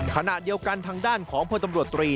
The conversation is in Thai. ขณะเดียวกันทางด้านของพลตำรวจตรี